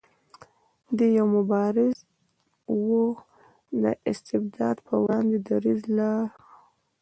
دی یو مبارز و د استبداد په وړاندې دریځ لاره.